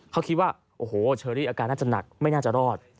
เขาคิดว่าโอ้โหเชอรี่อาการน่าจะหนักไม่น่าจะรอด